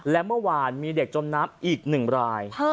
และเมื่อวานมีเด็กจมน้ำอีก๑ราย